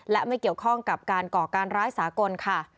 และไม่เกี่ยวข้องกับการก่อการร้ายสากลค่ะ